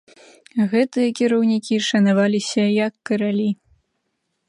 Гэтыя кіраўнікі шанаваліся як каралі.